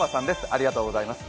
ありがとうございます。